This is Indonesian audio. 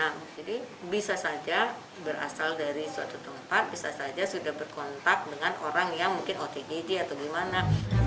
nah jadi bisa saja berasal dari suatu tempat bisa saja sudah berkontak dengan orang yang mungkin otg atau gimana